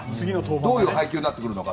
どういう配球になってくるのか。